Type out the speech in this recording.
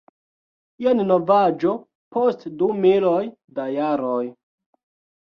Jen novaĵo post du miloj da jaroj.